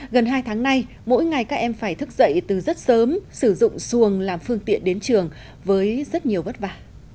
gần hai tháng nay mỗi ngày các em phải thức dậy từ rất sớm sử dụng xuồng làm phương tiện đến trường với rất nhiều vất vả